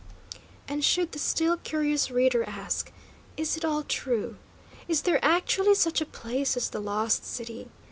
And should the still curious reader ask, "Is it all true? Is there actually such a place as the Lost City?